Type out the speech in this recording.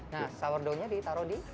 nah sourdoughnya ditaruh di